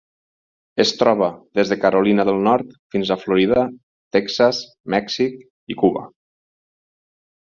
Es troba des de Carolina del Nord fins a Florida, Texas, Mèxic i Cuba.